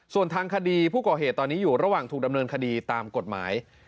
ส่วนทางคดีผู้ก่อเหตุตอนนี้อยู่ระหว่างถูกดำเนินคดีตามกฎหมาย